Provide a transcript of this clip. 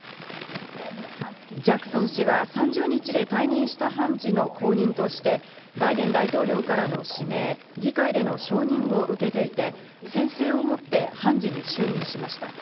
ジャクソン氏は３０日で退任した判事の後任として、バイデン大統領からの指名、議会での承認を受けていて、宣誓を持って判事に就任しました。